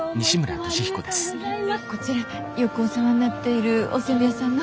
こちらよくお世話になっているお煎餅屋さんの。